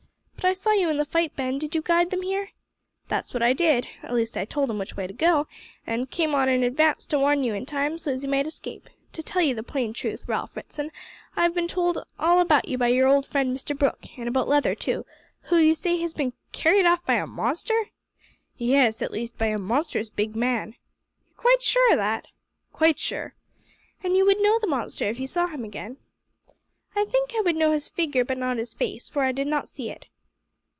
But I saw you in the fight, Ben; did you guide them here?" "That's what I did at least I told 'em which way to go, an' came on in advance to warn you in time, so's you might escape. To tell you the plain truth, Ralph Ritson, I've bin told all about you by your old friend Mr Brooke, an' about Leather too, who, you say, has bin carried off by a monster?" "Yes at least by a monstrous big man." "You're quite sure o' that?" "Quite sure." "An' You would know the monster if you saw him again?" "I think I would know his figure, but not his face, for I did not see it."